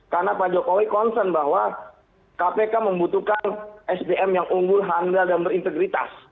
karena pak jokowi concern bahwa kpk membutuhkan sdm yang unggul handal dan berintegritas